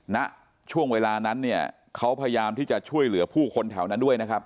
ณช่วงเวลานั้นเนี่ยเขาพยายามที่จะช่วยเหลือผู้คนแถวนั้นด้วยนะครับ